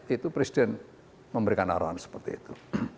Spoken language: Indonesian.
itu presiden memberikan arahan seperti itu